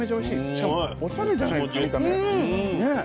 しかもおしゃれじゃないですか見た目。ね。